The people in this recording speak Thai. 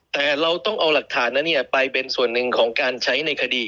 แต่เราต้องเอาหลักฐานนั้นไปเป็นส่วนหนึ่งของการใช้ในคดี